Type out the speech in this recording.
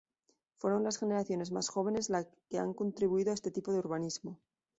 Fueron las generaciones más jóvenes la que han contribuido a este tipo de urbanismo.